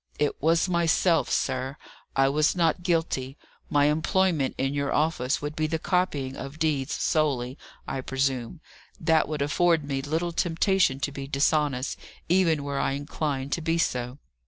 "It was myself, sir. I was not guilty. My employment in your office would be the copying of deeds solely, I presume; that would afford me little temptation to be dishonest, even were I inclined to be so."